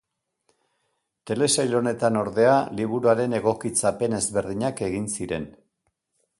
Telesail honetan, ordea, liburuaren egokitzapen ezberdinak egin ziren.